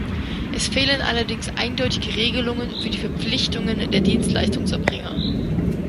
Es fehlen allerdings eindeutige Regelungen für die Verpflichtungen der Dienstleistungserbringer.